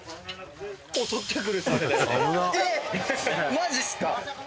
マジすか？